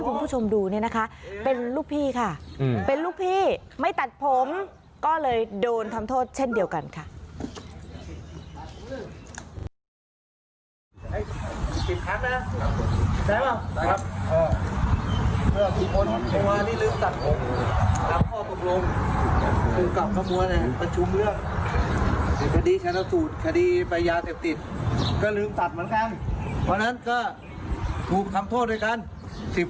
เวลาที่มีการทำผิดในเรื่องของการตัดผมก็ต้องมีการลงโทษแต่ส่วนมากจะเป็นลูกน้องแต่คลิปที่ให